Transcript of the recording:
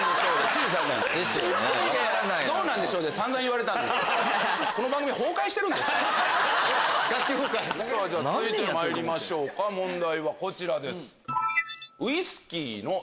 続いてまいりましょうか問題はこちらです。